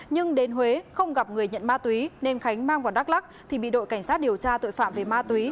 nhưng đến huế không gặp người nhận ma túy nên khánh mang vào đắk lắc thì bị đội cảnh sát điều tra tội phạm về ma túy